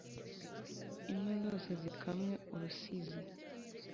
inka zose zikamwe urusizi,